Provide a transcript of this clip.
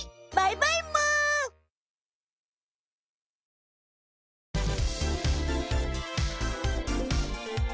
バイバイむ！